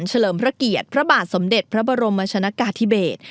เลิมพระเกียรติพระบาทสมเด็จพระบรมชนกาธิเบศ